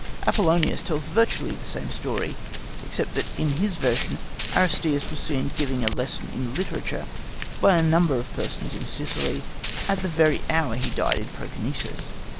Apollonius tells virtually the same story, except that in his version Aristeas was seen giving a lesson in literature by a number of persons in Sicily at the very hour he died in Proconesus.